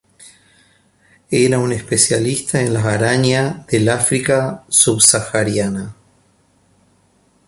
Era un especialista en las arañas del África subsahariana.